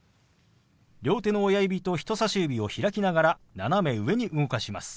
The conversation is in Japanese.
両手の親指と人さし指を開きながら斜め上に動かします。